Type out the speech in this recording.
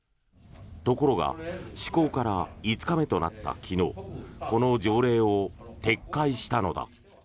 ところが施行から５日目となった昨日この条例を撤回したのだ。